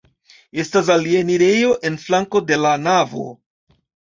Estas alia enirejo en flanko de la navo.